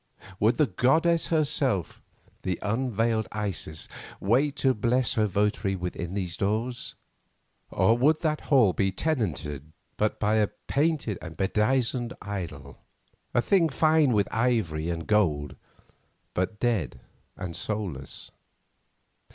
Would the goddess herself, the unveiled Isis, wait to bless her votary within those doors? Or would that hall be tenanted but by a painted and bedizened idol, a thing fine with ivory and gold, but dead and soulless?